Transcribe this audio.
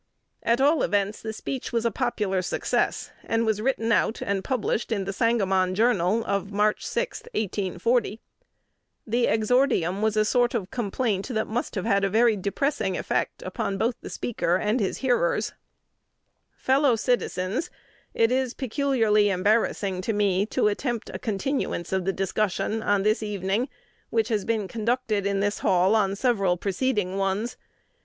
At all events, the speech was a popular success, and was written out, and published in "The Sangamon Journal," of March 6, 1840. The exordium was a sort of complaint that must have had a very depressing effect upon both the speaker and his hearers: "Fellow Citizens, It is peculiarly embarrassing to me to attempt a continuance of the discussion, on this evening, which has been conducted in this hall on several preceding ones.